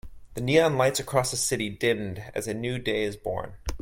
The neon lights across the city dimmed as a new day is born.